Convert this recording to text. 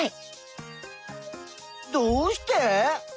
どうして？